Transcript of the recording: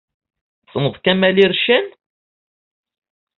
Tessneḍ Kamel Ircen?